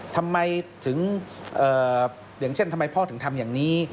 อย่างเช่นทำไมพ่อถึงทำอย่างนี้